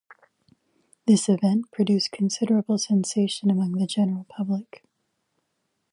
This event produced considerable sensation among the general public.